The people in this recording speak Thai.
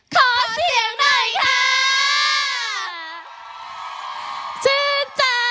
ขอเสียงหน่อยค่ะ